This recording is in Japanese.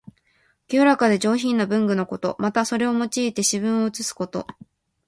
清らかで上品な文具のこと。また、それを用いて詩文を写すこと。